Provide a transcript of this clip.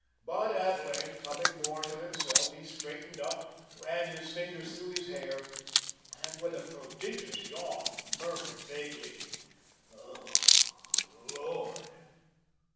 But at length, coming more to himself, he straightened up, ran his fingers through his hair, and with a prodigious yawn, murmured vaguely: "Oh, Lord!